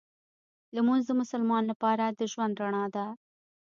لمونځ د مسلمان لپاره د ژوند رڼا ده